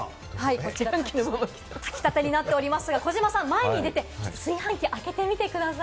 炊き立てになっておりますが、児嶋さん前に入れて炊飯器、開けてみてください。